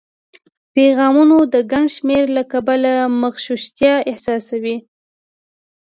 پیغامونو د ګڼ شمېر له کبله مغشوشتیا احساسوي